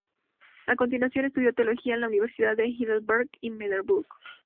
A continuación, estudió Teología en las universidades de Heidelberg y Marburgo.